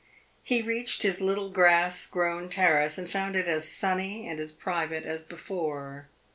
He reached his little grass grown terrace, and found it as sunny and as private as before.